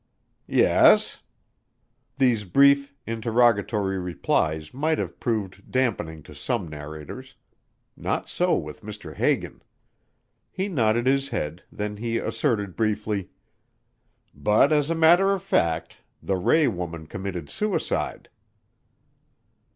"Yes?" These brief, interrogatory replies might have proved dampening to some narrators. Not so with Mr. Hagan. He nodded his head, then he asserted briefly. "But as a matter of fact the Ray woman committed suicide."